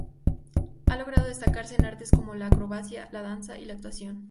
Ha logrado destacarse en artes como la acrobacia, la danza y la actuación.